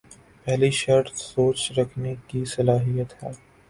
پہلی شرط سوچ رکھنے کی صلاحیت ہے۔